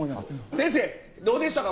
先生どうでしたか？